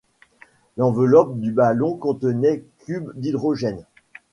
L'enveloppe du ballon contenait cubes d'hydrogène.